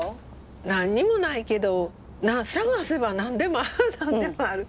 何にもないけど探せば何でも何でもある。